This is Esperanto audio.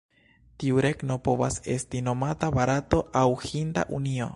Tiu regno povas esti nomata "Barato" aŭ "Hinda Unio".